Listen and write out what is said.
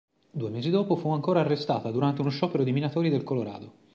Due mesi dopo fu ancora arrestata durante uno sciopero di minatori del Colorado.